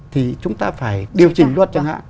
thì chúng ta phải điều chỉnh luật chẳng hạn